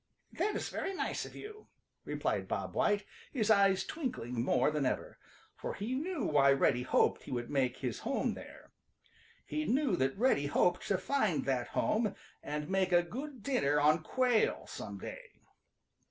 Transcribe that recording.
"That is very nice of you," replied Bob White, his eyes twinkling more than ever, for he knew why Reddy hoped he would make his home there. He knew that Reddy hoped to find that home and make a good dinner on Quail some day.